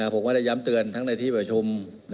ผมก็ได้ย้ำเตือนทั้งในที่ประชุม